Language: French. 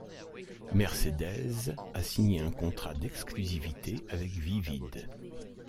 Mercedez a signé un contrat d'exclusivité avec Vivid.